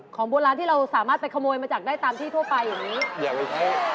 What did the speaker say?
ของโบราณที่เราสามารถขโมยมาจากได้ตามที่ทั่วไปอย่างนี้